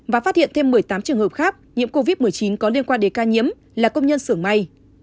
và phát hiện thêm một mươi tám trường hợp khác nhiễm covid một mươi chín có liên quan đến ca nhiễm là công nhân xưởng may